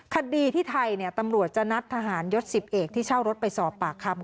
คดีที่ไทยตำรวจจะนัดทหารยศ๑๐เอกที่เช่ารถไปสอบปากคำ